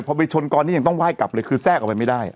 พอไปชนกรนี่ยังต้องไห้กลับเลยคือแทรกออกไปไม่ได้